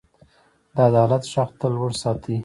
د عدالت غږ تل لوړ ساتئ.